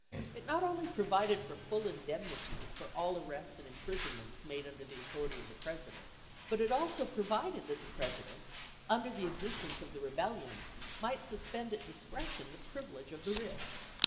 It not only provided chap. ii. for full indemnity for all arrests and imprisonments made under authority of the President, but it also provided that the President, during the existence of the Rebellion, might suspend at discretion the privilege of the wi'it.